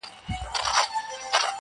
خر حیران وو چي سپی ولي معتبر دی٫